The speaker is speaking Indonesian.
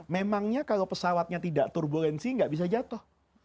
memangnya kalau pesawatnya tidak turbulensi nggak bisa jatuh